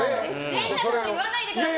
変なこと言わないでください！